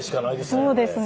そうですね。